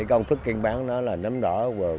công thức kiên bán đó là nấm đỏ